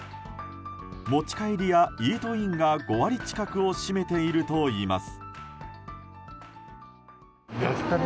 持ち帰りやイートインが５割近くを占めているといいます。